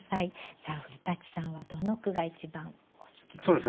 さあ古さんはどの句が一番お好きですか？